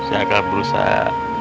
saya akan berusaha